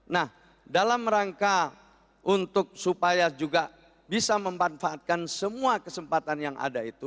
nah dalam rangka untuk supaya juga bisa memanfaatkan semua kesempatan yang ada itu